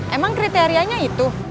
emang kriterianya itu